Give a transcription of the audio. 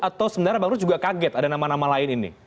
atau sebenarnya bang rus juga kaget ada nama nama lain ini